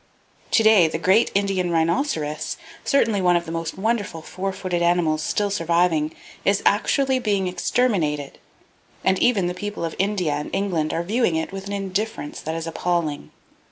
To day the great Indian rhinoceros, certainly one of the most wonderful four footed animals still surviving, is actually being exterminated; and even the people of India and England are viewing it with an indifference that is appalling.